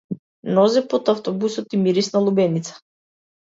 Нозе под автобусот и мирис на лубеница.